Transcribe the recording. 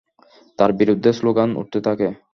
তার বিরুদ্ধে স্লোগান উঠতে থাকে।